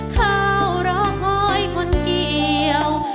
เข้ารอคอยคนเกี่ยว